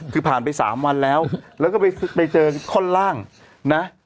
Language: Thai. คือผ่านไปสามวันแล้วแล้วก็ไปไปเจอข้าวร่างนะ